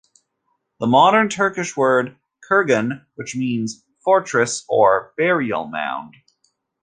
The modern Turkish word "kurgan", which means "fortress" or "burial mound".